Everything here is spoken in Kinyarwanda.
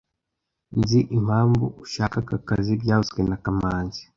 Nzi impamvu ushaka aka kazi byavuzwe na kamanzi